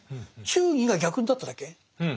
忠義が逆になっただけ。